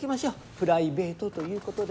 プライベートということで。